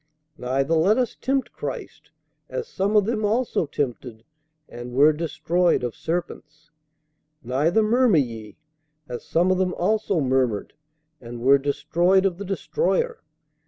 Neither let us tempt Christ, as some of them also tempted, and were destroyed of serpents. Neither murmur ye, as some of them also murmured, and were destroyed of the destroyer.